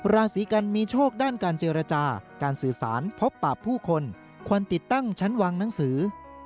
ราศีกันมีโชคด้านการเจรจาการสื่อสารพบปากผู้คนควรติดตั้งชั้นวางหนังสือ